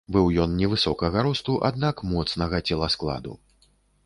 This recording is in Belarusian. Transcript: Быў ён невысокага росту, аднак моцнага целаскладу.